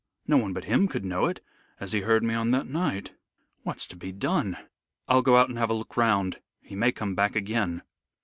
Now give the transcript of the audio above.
No one but him could know it, as he heard me on that night. What's to be done? I'll go out and have a look round. He may come back again."